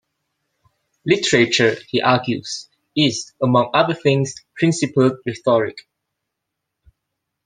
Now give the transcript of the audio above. "Literature", he argues, "is, among other things, principled rhetoric".